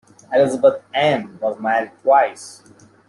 Elisabeth-Anne was married twice.